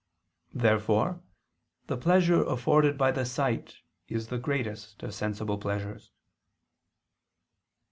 Therefore the pleasure afforded by the sight is the greatest of sensible pleasures.